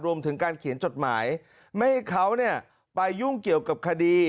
รวมถึงการเขียนจดหมายไม่ให้เขาไปยุ่งเกี่ยวกับคดี